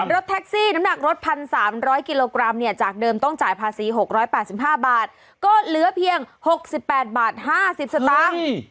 รถแท็กซี่น้ำหนักรถ๑๓๐๐กิโลกรัมเนี่ยจากเดิมต้องจ่ายภาษี๖๘๕บาทก็เหลือเพียง๖๘บาท๕๐สตางค์